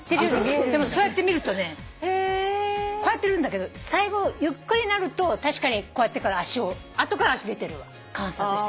でもそうやって見るとねこうやってるんだけど最後ゆっくりになると確かにこうやってから後から足出てるわ。